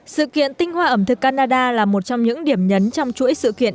sự kiện tinh hoa ẩm thực canada là một trong những điểm nhấn trong chuỗi sự kiện